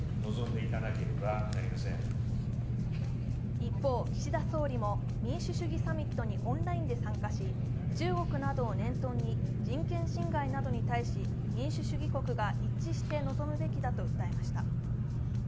一方、岸田総理も民主主義サミットにオンラインで参加し中国などを念頭に人権侵害などに対し民主主義国が一致して臨むべきだと訴えました。